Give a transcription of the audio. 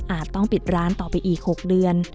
ต้องปิดร้านต่อไปอีก๖เดือน